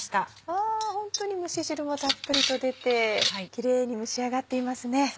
わホントに蒸し汁もたっぷりと出てキレイに蒸し上がっていますね。